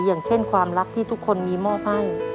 อย่างเช่นความรักที่ทุกคนมีมอบให้